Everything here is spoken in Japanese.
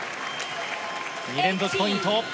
２連続ポイント。